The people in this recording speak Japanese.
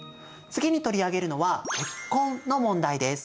次に取り上げるのは「結婚」の問題です。